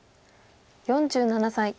４７歳。